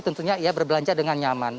tentunya ia berbelanja dengan nyaman